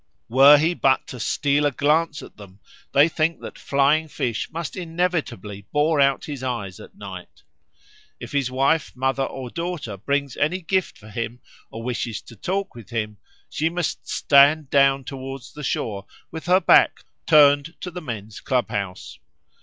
Were he but to steal a glance at them, they think that flying fish must inevitably bore out his eyes at night. If his wife, mother, or daughter brings any gift for him or wishes to talk with him, she must stand down towards the shore with her back turned to the men's clubhouse.